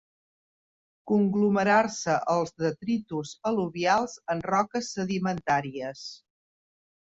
Conglomerar-se els detritus al·luvials en roques sedimentàries.